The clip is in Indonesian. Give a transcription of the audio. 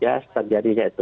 ya terjadinya itu